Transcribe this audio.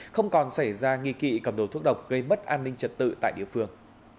không còn xảy ra nghi kỵ cầm đồ thuốc độc gây mất an ninh trật tự tại địa phương